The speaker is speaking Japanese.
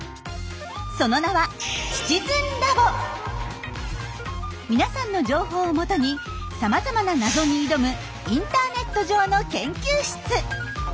その名は皆さんの情報をもとにさまざまな謎に挑むインターネット上の研究室。